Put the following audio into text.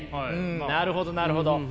なるほどなるほど。